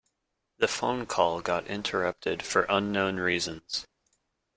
The phone call got interrupted for unknown reasons.